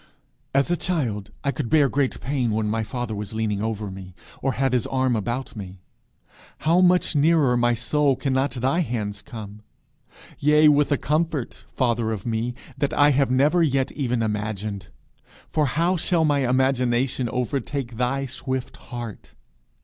As a child I could bear great pain when my father was leaning over me, or had his arm about me: how much nearer my soul cannot thy hands come! yea, with a comfort, father of me, that I have never yet even imagined; for how shall my imagination overtake thy swift heart?